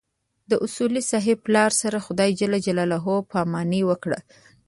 د اصولي صیب پلار سره خدای ج پاماني وکړه.